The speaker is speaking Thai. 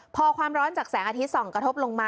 พอความร้อนจากแสงอาทิตยส่องกระทบลงมา